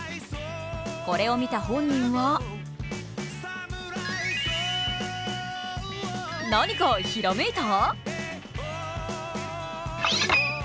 これを見た本人は、何かひらめいた？